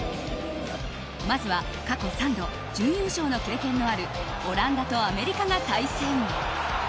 まずは過去３度準優勝の経験があるオランダとアメリカが対戦。